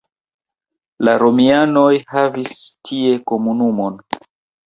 La romianoj havis tie komunumon.